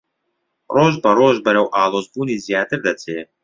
ڕۆژبەڕۆژ بەرەو ئاڵۆزبوونی زیاتر دەچێ